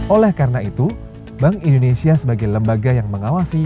oleh karena itu bank indonesia sebagai lembaga yang mengawasi